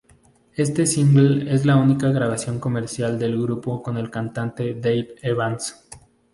Este single es la única grabación comercial del grupo con el cantante Dave Evans.